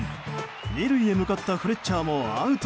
２塁へ向かったフレッチャーもアウト。